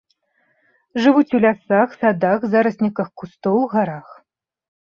Жывуць у лясах, садах, зарасніках кустоў, гарах.